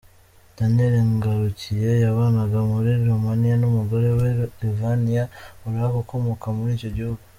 Daniel Ngarukiye yabanaga muri Romania n’umugore we Lavinia Orac ukomoka muri icyo gihugu.